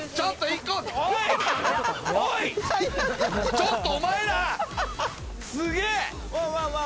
ちょっとお前ら！